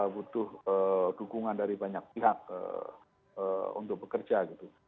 butuh dukungan dari banyak pihak untuk bekerja gitu